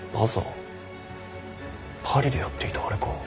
パリでやっていたあれか。